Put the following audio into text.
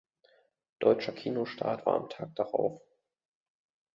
Deutscher Kinostart war am Tag darauf.